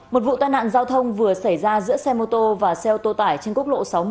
một vụ tai nạn giao thông vừa xảy ra giữa xe mô tô và xe ô tô tải trên quốc lộ sáu mươi